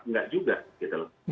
enggak juga gitu loh